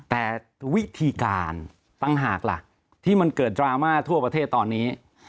แต่วิธีการต่างหากล่ะที่มันเกิดดราม่าทั่วประเทศตอนนี้